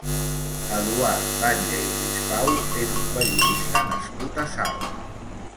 Eduard Batlle i Rispau és un periodista nascut a Salt.